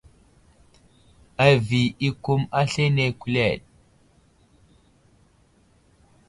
Avi i kum aslane kuleɗ.